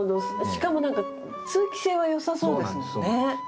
しかも何か通気性は良さそうですもんね。